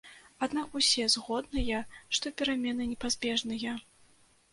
Аднак усе згодныя, што перамены непазбежныя.